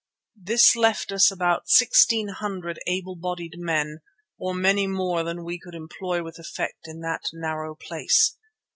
This left us about sixteen hundred able bodied men or many more than we could employ with effect in that narrow place.